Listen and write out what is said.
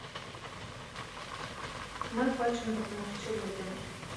Мы хочам дапамагчы людзям.